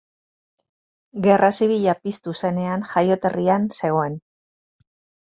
Gerra Zibila piztu zenean, jaioterrian zegoen.